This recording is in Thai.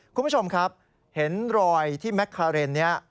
คุณผู้ชมครับเห็นรอยที่แม็กคาเรนนี้